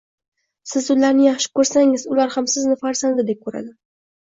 Siz ularni yaxshi ko‘rsangiz, ular ham sizni farzandidek ko‘radi.